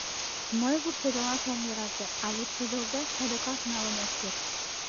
— Мый вурседылаш ом йӧрате, а вурседылде, садыгак налын от керт.